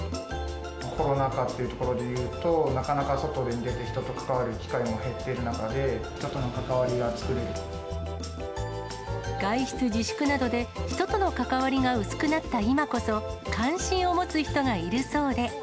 コロナ禍というところでいうと、なかなか外に出て人と関わる機会が減っている中で、人との関わり外出自粛などで人との関わりが薄くなった今こそ、関心を持つ人がいるそうで。